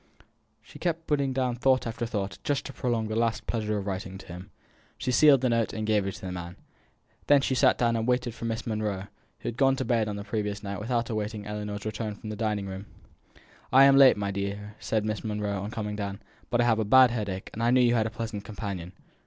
She kept putting down thought after thought, just to prolong the last pleasure of writing to him. She sealed the note, and gave it to the man. Then she sat down and waited for Miss Monro, who had gone to bed on the previous night without awaiting Ellinor's return from the dining room. "I am late, my dear," said Miss Monro, on coming down, "but I have a bad headache, and I knew you had a pleasant companion."